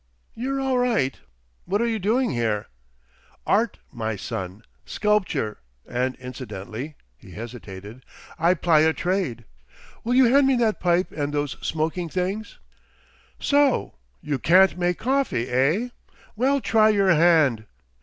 "You're all right. What are you doing here?" "Art, my son—sculpture! And incidentally—" He hesitated. "I ply a trade. Will you hand me that pipe and those smoking things? So! You can't make coffee, eh? Well, try your hand.